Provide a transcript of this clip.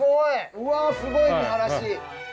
うわすごい見晴らし。